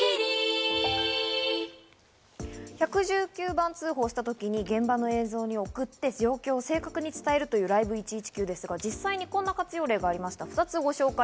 １１９番通報をしたとき、現場の映像を送って、状況を正確に伝えるというＬｉｖｅ１１９ですが実際に、こんな活用例が２つありました。